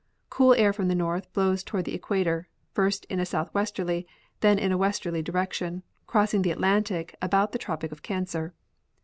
Cool air from the north blows toward the equator, first in a southwesterl}^, then in a westerly direction, crossing the Atlantic about the tropic of Cancer.